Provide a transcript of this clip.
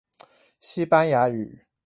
西班牙語